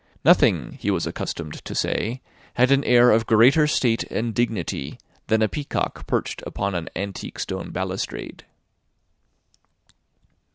Nothing, he was accustomed to say, had an air of greater state and dignity than a peacock perched upon an antique stone balustrade.